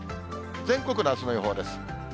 全国のあすの予報です。